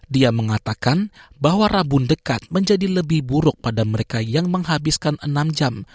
dia mengatakan bahwa rabun dekat menjadi lebih buruk pada mereka yang menghabiskan enam jam